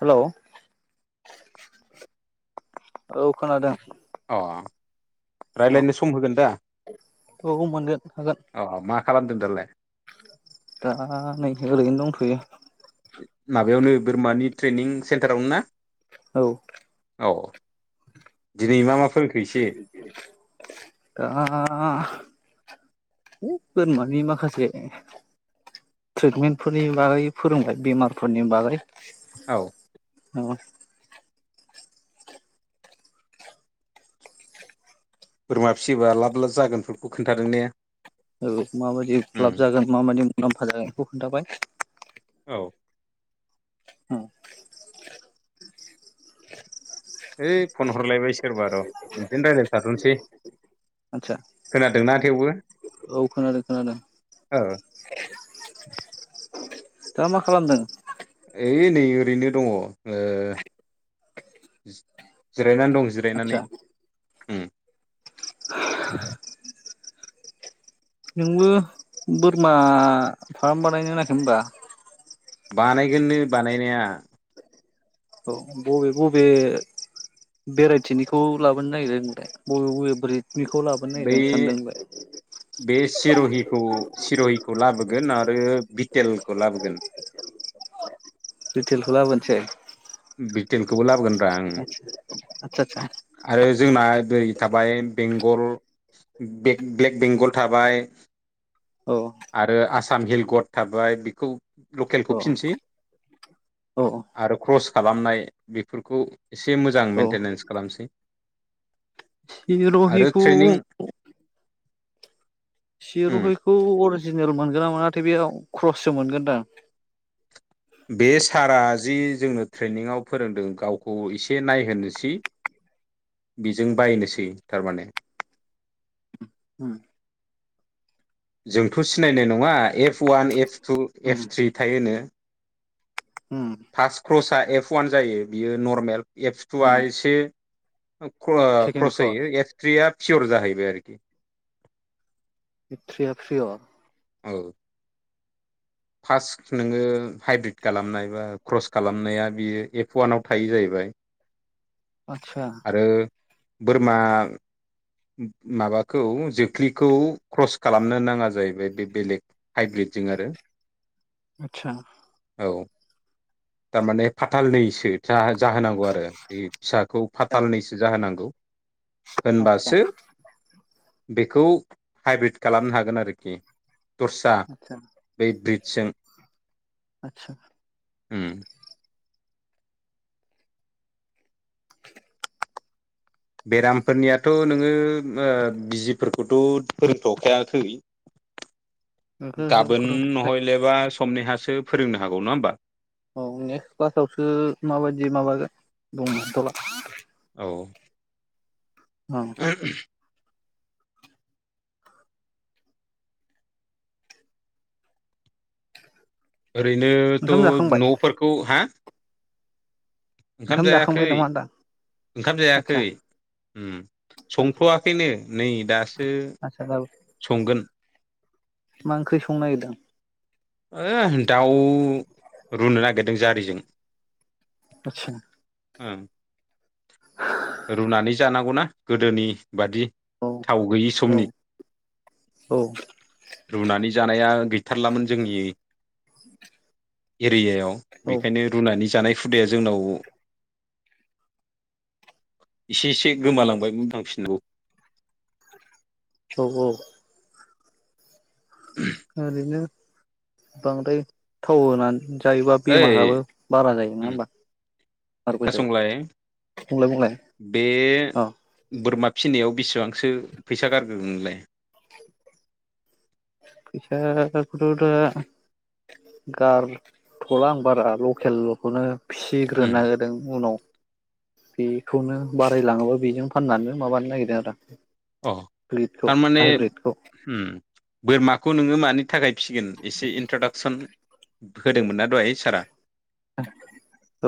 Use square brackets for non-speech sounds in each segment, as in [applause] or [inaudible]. Hello औ खोनादों अ औ रायज्लायनो सम होगोन दा अबो मोनगोन हागोन अ मा खालामदों दालाय? दा नै ओरैनो दंथ'यो माबायावनो बोरमानि ट्रेनिं सेन्टारावनो ना? औ औ दिनै मा मा फोरोंखो एसे दा ओइ फोरमानि माखासे ट्रिटमेन्टफोरनि बागै फोरोंबाय बेमारफोरनि बागै औ। औ। बोरमा फिसियोबा लाब लाब जागोनफोरखौ खोन्थादों ने औ माबायदि उम लाब जागोन माबायदि मुलाम्फा जागोन बेखौ खोन्थाबाय औ। औ। हैओइ फन हरलायबाय सोरबा र' बिदिनो रायज्लाय थाथ'नोसै आदसा खोनादोंना थेवबो? औ खोनादों खोनादों औ दा मा खालामदों? ओइ नै ओरैनो दङ ओ जि-जिरायनानै दं। आदसा जिरायनानै उम [inaudible] नोंबो बोरमा फार्म बानायनो होनाखै होनबा। बानायगोननो बानायनाया औ बबे बबे भेराइटिनिखौ लाबोनो नागिरदों नोंलाय बबे बबे ब्रेडनिखौ लाबोनो बै नागिरदों सानदों होनलाय बे सिरहिखौ सिरहिखौ लाबोगोन आरो बिटेलखौ लाबोगोन। रिटेलखौ लाबोनोसै बिटेलखौबो लाबोगोन रा ओं आतसा आतसा आरो जोंना बरै थाबाय बेंगल बे ब्लेक बेंगल थाबाय। औ आरो आसाम हिल गड थाबाय बेखौ औ लकेलखौ फिनसै औ आरो क्रस खालामनाय बेफोरखौ एसे मोजां औ मेेनटेनेन्स खालामसै इ आरो रहिखौ ट्रेनिं उम सिर'हैखौ अरिजिनेल मोनगोन ना मोन नाथाय बेयाव क्रससो मोनगोनदां बे सारा जि जोंनो ट्रेनिंआव फोरोंदों गावखौ एसे नायहोनोसै। बिजों बायनोसै थारमाने। उम जोंथ' सिनायनाय नङा एफ अवान F two um F three थायो होनो। उम फार्स्ट क्रसआ एफ अवान जायो बियो नरमेल एफस उम टुआ एसे क्रस जायो एफ थ्रिया पियर जाहैबाय आरोखि बे थ्रिया प्रियर औ फार्स्ट नोङो हाइब्रिद खालामनाय बा क्रस खालामनाया बियो एफ अवानाव थायो जाहैबाय। आतसा आरो बोरमा माबाखौ जोख्लिखौ क्रस खालामनो नाङा जाहैबाय बे बेलेग। हाइब्रिदजों आरो आतसा औ थारमाने फाथालनैसो जाहोनांगौ आरो बे फिसाखौ फाथालनैसो जाहोनांगौ। आतसा होनबासो बेखौ हाइब्रिद खालामनो हागोन आरोखि दरसा आतसा बे ब्रिजजों आतसा उम बेरामफोरनियाथ' नोङो ओ बिजिफोरखौथ' फोरोंथ'खायाखै ओहो ओहो गाबोन फोरोंथ'वाखै नहलेबा समनिहासो फोरोंनो हागौ नङा होमबा? औ नेक्स्ट क्लासावसो माबायदि माब दंथ'ला औ औ। ओंखाम ओरैनोथ' जाखांबाय न'फोरखौ हा। ओंखाम जाखांबाय नामा आदां ओंखाम जायाखै आदसा संथ'वाखैनो नै दासो ज संगोन मा ओंख्रि संनो निरदों दाउ रुनो नागिरदों जारिजों आ ओं रुनानै जानांगौनाा गोदोनि बादि औ थाव गैयि औ समनि औ रुनानै जानाया गैथारलामोन। जोंनि एरियायाव औ बेनिखायनो रुनानै जानाय हुदाया जोंनाव एसे इसे गोमालांबाय थांफिनांगौ। थगौ ओ ओरैनो बांद्राय थाव होनानै जायोबा ओइ बेमाराबो बारा जायो नङा उम होमबा बेमारबो जायो खोनासंलाय बुंलाय बुंलाय बे औ बोरमा फिनायाव बेसेबांसो फैसा गारग्रो नोंलाय फैसा फथ दा गारथ'ला आं बारा लकेलखौनो उम फिसिग्रोनो होदों उनाव बेखौनो बारायलाङोबा बेजों फाननानै माबानो नागिरदों आरो। अ फखौ थारमाने आब्रितखौ बोरमाखौ नोङो मानि थाखाय फिगोन एसे इन्ट्रदाक्सन होदोंमोनना दहाय सारा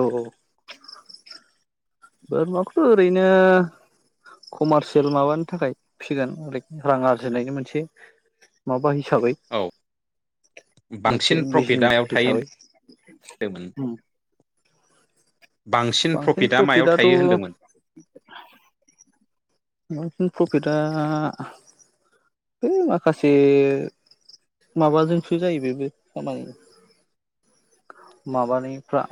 औ। बोरमाखौथ' ओरैनो कमारसियेल माबानि थाखाय फिसिगोन लाइक रां आरजिनायनि मोनसे माबा हिसाबै औ मोनानसे बांसिन प्रफिटआ बिजनेस मायाव थायो हिसाबै होनदोंमोन बांसिन प्रफिटआ मायाव थायो होनदोंमोन। मारकन प्रफिटआ बै माखासे। माबाजोंसो जायो बेबो खामानि माबानायफ्रा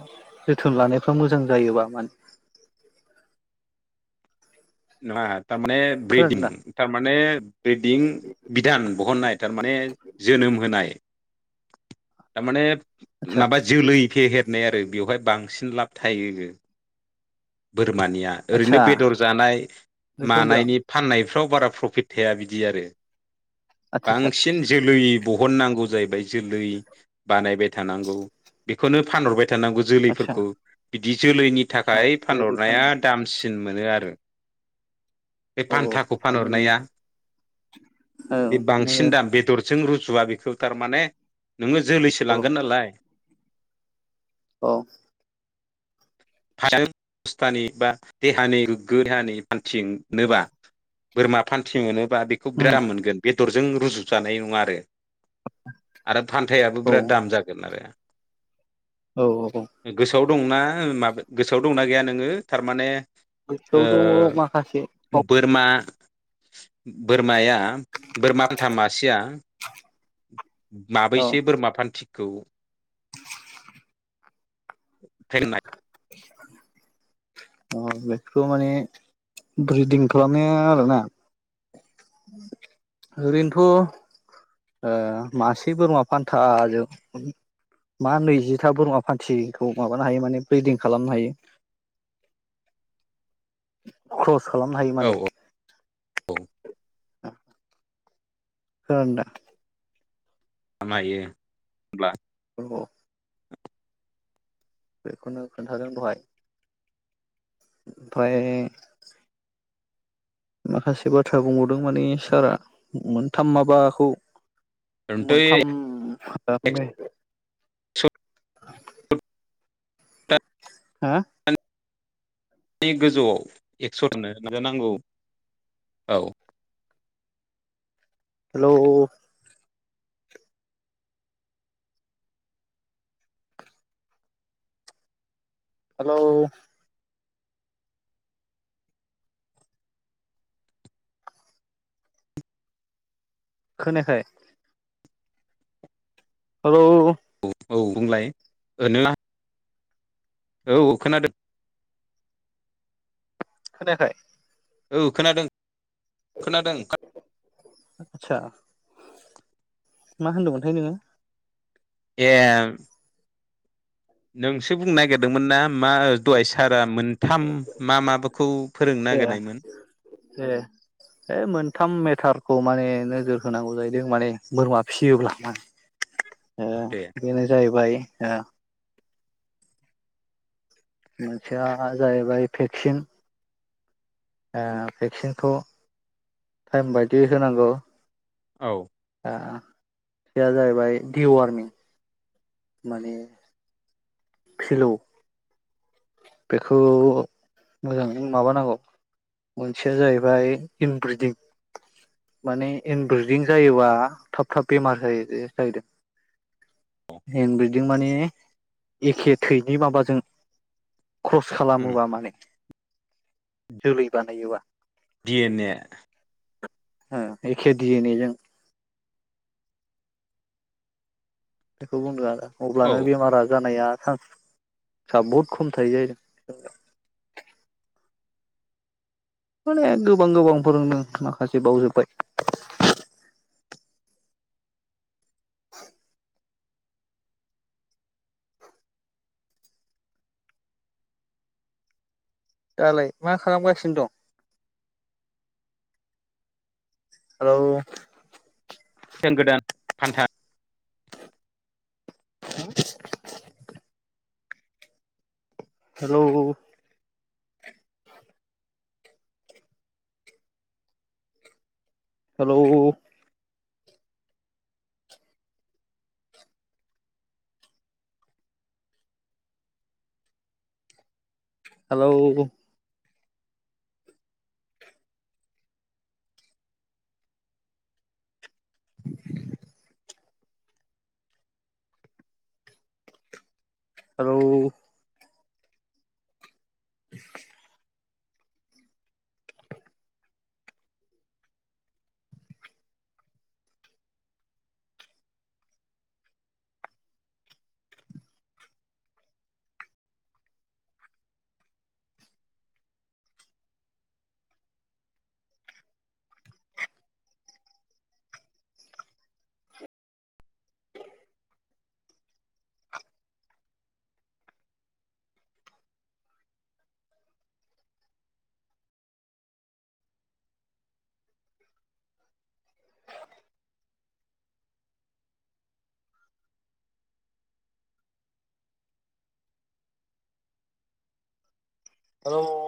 जोथोन लानायफ्रा मोजां जायोबा मान न तारमान ब्रिदिं खोनादोंना थारमाने ब्रिदिं बिधान बहननाय थारमाने जोनोम होनाय। थारमाने आदसा नाबा जिउ लै इखे बििरनाय आरो बेवहाय बांसिन लाब थायो बोरमानिया ओरैनो आदसा बेदर जानाय बेखौ होनदों आं मानायनि फाननायफ्राव बारा प्रफिट थाया बिदि आरो आदसा बांसिन जोलै बहननांगौ जाहैबाय जोलै बानायबाय थानांगौ बेखौनो फानहरबाय थानांगौ। आदसा आदसा जोलैफोरखौ बिदि जोलैनि आदसा थाखाय जोलै फानहरनाया फाननो दामसिन मोनो आरो। बे औ औ फान्थाखौ मोनो मोनो फानहरनाया औ बे मोनो बांसिन दाम बेदर जों रुजुवा बेखौ थारमाने नोङो जोलैसो औ लांगोन नालाय औ। ह अस्थानि बा देहानि गोग्गो देहानि फान्थिनोोबा बोरमा फान्थिं मोनोबा बेखौ उम बेराम मोनगोन। बेदरजों रुजुजानाय नङा आरो आरो फान्थायाबो औ बिराद दाम जागोन आरो। औ औ औ। गोसोआव दंना माब गोसोआव दंना गैया नोङो थारमाने ओ गोसोआव दङ माखासे औ बोरमा बोरमाया बोरमा फल्था मासेया औ माबैसो बोरमा फान्थि औ [unintelligible] [inaudible] अ बेखौ माने ब्रिदिं खालामनाया आरोना ओरिनोथ' मासे बोरमा फान्था जों मा नैजिथा बोरमा फान्थिखौ माबानो हायो माने ब्रिदिं खालामनो हायो। क्रस खालामनो हायो औ माने [inaudible] [unintelligible] [unintelligible] अब्ला औ बेखौनो खोन्थादों दहाय ओमफ्राय माखासे बाथ्रा बुंबावदों माने सारा मोनथाम माबाखौ होनब्ला मोनथाम एकस'थानि [unintelligible] बे गोजौआव एक्सरनो नाजानांगौ औ हेलौ हेलौ खोनायाखाय औ औ औ औ बुंलाय ओरैनो औ खोनादों खोनायाखै? औ खोनादों खोनादों आदसा मा होनदोंमोनथाय नोङो? ए नोंसो बुंनो नागिरदोंमोन ना मा दहाय सारा मोनथाम मा मा खौ फोरोङो ए ए ओ मोनथाम मेटारखौ माने नोजोर होनांगौ जाहैदों माने बोरमा फिसियोब्ला ना। [inaudible] ओ बेनो जाहैबाय ओ मोनसेया जाहैबाय भेक्सिन ओ भेक्सिनखौ टाइम बायदिय होनांगौ औ ओ बेया जाहैबाय दिवारनि माने फिलौ बेखौ मोजाङै माबानांगौ मोनसेया जाहैबाय इनब्रिदिं माने इनब्रिदिं जायोबा थाब थाब बेमार जायो जाहैदों। औ हन्द बिलदिं माने एखे थैनि माबाजों क्रस खालामोबा माने जोलै बानायोबा दि एन ए एओ खे दियेन एजों बेखौ बुंदों आरो अब्लानो औ बेमारा जानाया थां सा बहुत खम थायो जाहैदों माने गोबां गोबां फोरोंनो माखासे बावजोबबाय [inaudible] दालाय मा खालामगासिनो दं हेलौ फेन गोदान फान्था [inaudible] hello hello hello [inaudible] hello [inaudible] hello